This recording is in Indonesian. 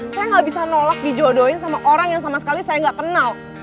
saya nggak bisa nolak dijodohin sama orang yang sama sekali saya nggak kenal